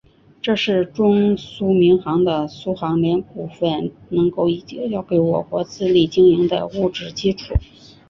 这是中苏民航的苏联股份能够已交给我国自力经营的物质基础。